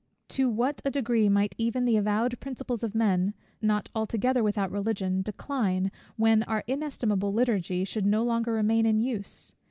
To what a degree might even the avowed principles of men, not altogether without Religion, decline, when our inestimable Liturgy should no longer remain in use!